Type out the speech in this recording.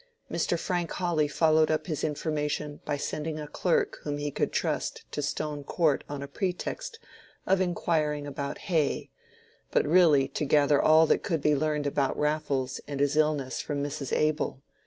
Mr. Frank Hawley followed up his information by sending a clerk whom he could trust to Stone Court on a pretext of inquiring about hay, but really to gather all that could be learned about Raffles and his illness from Mrs. Abel.